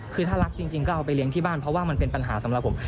คือถ้ารักจริงก็เอาไปเลี้ยงที่บ้านเพราะว่ามันเป็นปัญหาสำหรับผม